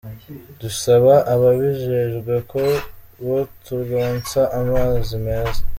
Dusaba ababijejwe ko boturonsa amazi meza '.